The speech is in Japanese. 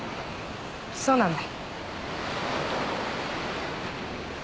そうなんだ。